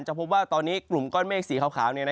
พบว่าตอนนี้กลุ่มก้อนเมฆสีขาว